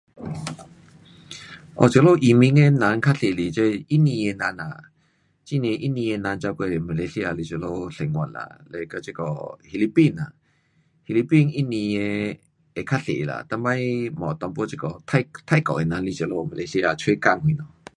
我这里移民的人较多是这印尼的人呐，很多印尼的人跑过来马来西亚来这里生活啦，嘞跟这个 Philippine 呐，Philippine, 印尼的会较多啦，以前嘛有一点这个泰，泰国的人来这里马来西亚找工什么。